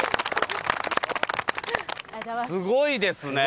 すごいですね。